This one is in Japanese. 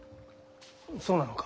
そうなのか？